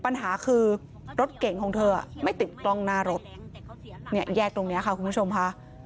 แยกตรงนี้ค่ะคุณผู้ชมค่ะ